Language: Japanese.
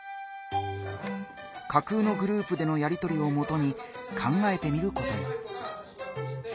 架空のグループでのやりとりをもとに考えてみることに。